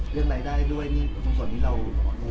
เบื้องไรได้ด้วยทางความที่เรารู้ด้วยมั่นนี่ครับ